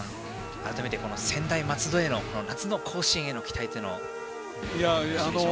改めて専大松戸への夏の甲子園への期待をよろしいでしょうか。